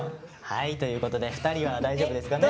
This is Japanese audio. はいということで２人は大丈夫ですかね。